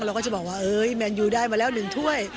เราก็จะบอกว่าเอ๊ยแมนยูได้มาแล้วหนึ่งถ้วย